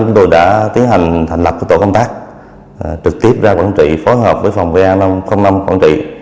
chúng tôi đã tiến hành thành lập tổ công tác trực tiếp ra quảng trị phối hợp với phòng p năm quảng trị